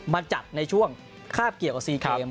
มาจัดในช่วงคาบเกี่ยวกับซีเกม